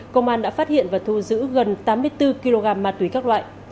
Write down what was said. công an đã phát hiện và thu giữ gần tám mươi bốn kg ma túy các loại